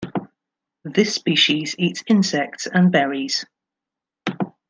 This species eats insects and berries.